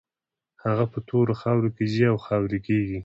هغه په تورو خاورو کې ځي او خاورې کېږي.